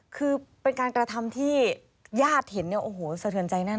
คือเป็นการกระทำที่ญาติเห็นเนี่ยโอ้โหสะเทือนใจแน่น